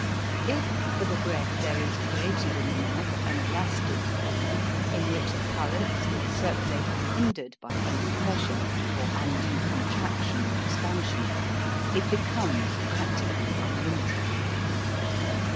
If for the breath there is created in the mouth an elastic form, in which the currents may circulate unhindered by any pressure or undue contraction or expansion, it becomes practically unlimited.